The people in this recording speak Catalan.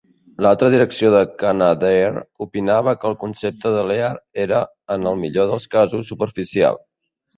L'alta direcció de Canadair opinava que el concepte de Lear era en el millor dels casos superficial.